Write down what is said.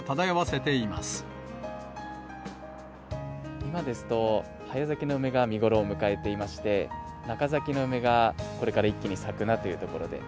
今ですと、早咲きの梅が見頃を迎えていまして、中咲きの梅がこれから一気に咲くなというところで。